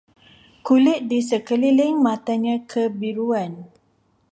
Kulit di sekeliling matanya kebiruan